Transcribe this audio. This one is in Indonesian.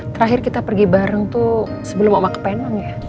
terakhir kita pergi bareng tuh sebelum oma ke penang ya